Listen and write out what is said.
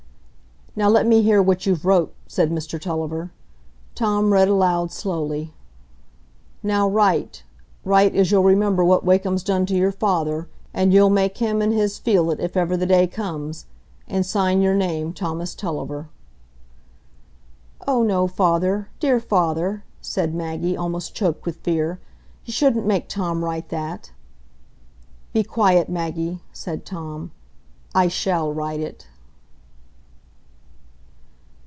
"Now let me hear what you've wrote," said Mr Tulliver, Tom read aloud slowly. "Now write—write as you'll remember what Wakem's done to your father, and you'll make him and his feel it, if ever the day comes. And sign your name Thomas Tulliver." "Oh no, father, dear father!" said Maggie, almost choked with fear. "You shouldn't make Tom write that." "Be quiet, Maggie!" said Tom. "I shall write it."